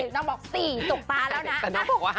น้องบอก๔ตกตาแล้วนะ